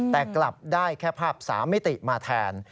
แต่กลับได้แค่ภาพ๓มิติมาแทน